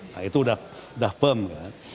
nah itu udah pem kan